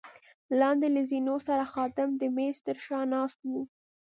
لاندې له زینو سره خادم د مېز تر شا ناست وو.